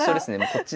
こっち